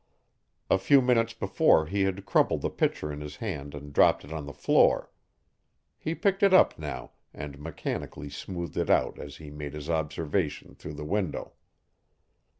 A few minutes before he had crumpled the picture in his hand and dropped it on the floor. He picked it up now and mechanically smoothed it out as he made his observation, through the window.